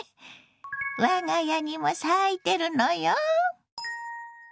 我が家にも咲いてるのよ。